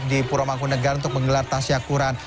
di pura mangkunegara untuk menggelar tasyakuran